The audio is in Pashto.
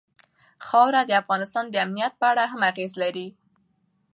خاوره د افغانستان د امنیت په اړه هم اغېز لري.